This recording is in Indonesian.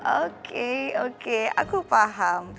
oke oke aku paham